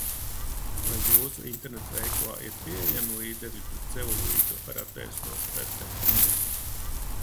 Vai jūsu interneta veikalā ir pieejami līdzekļi pret celulītu ar atvēsinošu efektu?